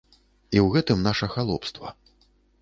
І ў гэтым наша халопства.